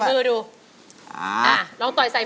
เพื่อจะไปชิงรางวัลเงินล้าน